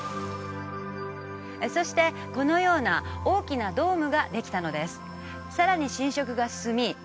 そしてこのような大きなドームができたのですさらに浸食が進み